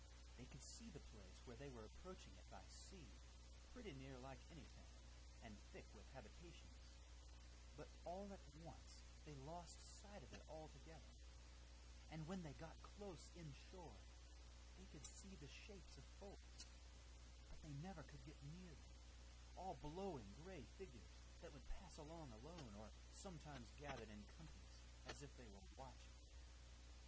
They could see the place when they were approaching it by sea pretty near like any town, and thick with habitations; but all at once they lost sight of it altogether, and when they got close inshore they could see the shapes of folks, but they never could get near them, all blowing gray figures that would pass along alone, or sometimes gathered in companies as if they were watching.